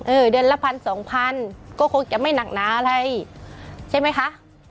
เดือนละพันสองพันก็คงจะไม่หนักหนาอะไรใช่ไหมคะ